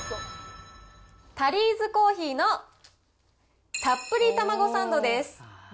タリーズコーヒーのたっぷりタマゴサンドです。